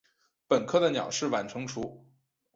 本科的鸟是晚成雏。